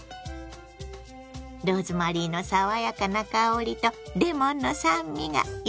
ローズマリーの爽やかな香りとレモンの酸味が野菜に合うわ。